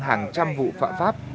hàng trăm vụ phạm pháp